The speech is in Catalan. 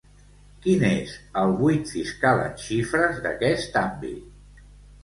Quin és el buit fiscal en xifres d'aquest àmbit?